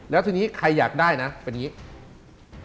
แล้วทีนี้ใครอยากได้นะเป็นอย่างนี้